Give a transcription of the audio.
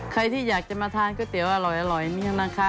ใครที่อยากจะมาทานก๋วยเตี๋ยวอร่อยเนี่ยนะคะ